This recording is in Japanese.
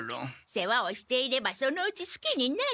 世話をしていればそのうちすきになる。